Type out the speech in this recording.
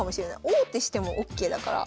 王手してもＯＫだから。